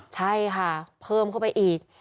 ใช่ค่ะเพิ่มเข้าไปอีก